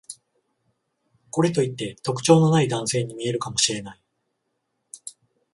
これといって特徴のない男性に見えるかもしれない